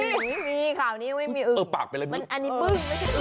ไม่มีข่าวนี้ไม่มีอึ่ง